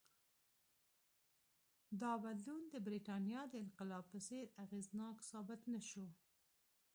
دا بدلون د برېټانیا د انقلاب په څېر اغېزناک ثابت نه شو.